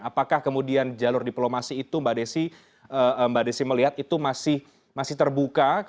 apakah kemudian jalur diplomasi itu mbak desi melihat itu masih terbuka